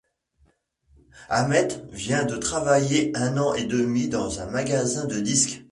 Ahmet vient de travailler un an et demi dans un magasin de disques.